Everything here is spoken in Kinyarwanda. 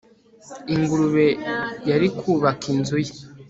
ingurube yari kubaka inzu ye